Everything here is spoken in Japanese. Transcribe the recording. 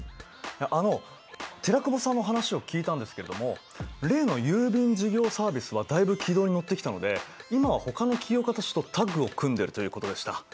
あの寺久保さんの話を聞いたんですけども例の郵便事業サービスはだいぶ軌道に乗ってきたので今はほかの起業家たちとタッグを組んでるということでした。